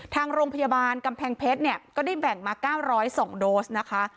ทางโรงพยาบาลกำแพงเพชรเนี่ยก็ได้แบ่งมา๙๐๒โดสนะคะ